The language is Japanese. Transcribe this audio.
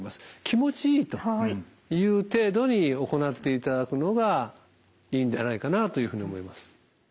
気持ちいいという程度に行っていただくのがいいんではないかなというふうに思います。